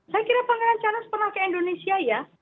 saya kira pangeran charles pernah ke indonesia ya